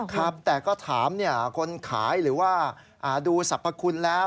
ครับแต่ก็ถามคนขายหรือว่าดูสรรพคุณแล้ว